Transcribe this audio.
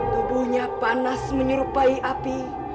tubuhnya panas menyerupai api